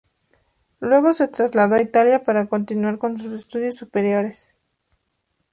Luego se trasladó a Italia para continuar con sus estudios superiores.